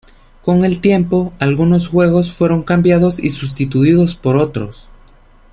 Con el tiempo, algunos juegos fueron cambiados y sustituidos por otros.